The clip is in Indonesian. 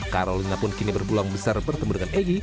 karolina pun kini berpulang besar bertemu dengan egy